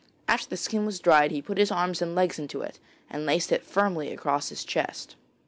After the skin was dried he put his arms and legs into it, and laced it firmly across his chest.